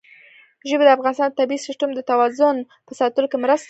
ژبې د افغانستان د طبعي سیسټم د توازن په ساتلو کې مرسته کوي.